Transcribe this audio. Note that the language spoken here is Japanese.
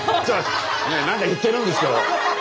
何か言ってるんですけど。